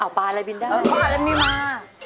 เออปานอะไรบินได้ไปหาเงินมีมาอ๋อปานอะไรบินได้